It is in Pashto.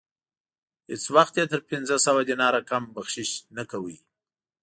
هیڅ وخت یې تر پنځه سوه دیناره کم بخشش نه کاوه.